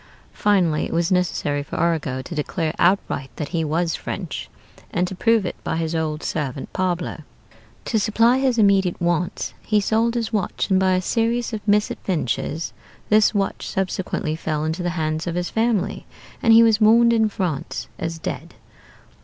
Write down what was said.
Finally it was necessary for Arago to declare outright that he was French, and to prove it by his old servant Pablo. To supply his immediate wants he sold his watch; and by a series of misadventures this watch subsequently fell into the hands of his family, and he was mourned in France as dead.